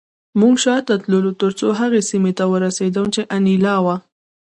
موږ شاته تلو ترڅو هغې سیمې ته ورسېدم چې انیلا وه